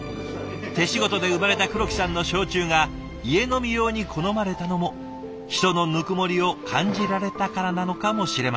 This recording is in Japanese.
手仕事で生まれた黒木さんの焼酎が家飲み用に好まれたのも人のぬくもりを感じられたからなのかもしれません。